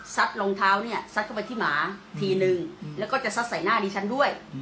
รองเท้าเนี่ยซัดเข้าไปที่หมาทีนึงแล้วก็จะซัดใส่หน้าดิฉันด้วย